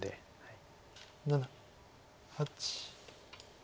７８。